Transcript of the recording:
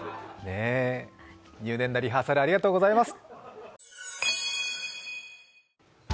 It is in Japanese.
入念なリハーサルありがとうございます。